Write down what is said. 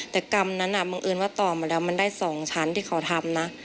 แต่กรรมนั้นบังเอิญว่าต่อมาแล้วมันได้๒ชั้นที่เขาทำนะ